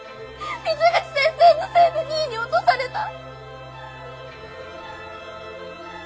水口先生のせいで２位に落とされた。